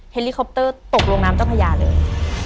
เฮลิคอปเตอร์ตกลงน้ำเจ้าพญาเลย